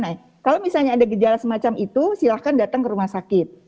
nah kalau misalnya ada gejala semacam itu silahkan datang ke rumah sakit